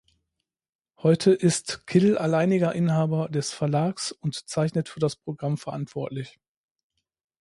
Heute ist Kill alleiniger Inhaber des Verlags und zeichnet für das Programm verantwortlich.